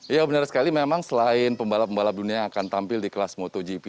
ya benar sekali memang selain pembalap pembalap dunia yang akan tampil di kelas motogp